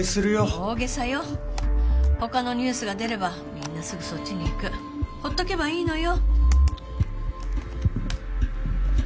大げさよ他のニュースが出ればみんなすぐそっちに行くほっとけばいいのよ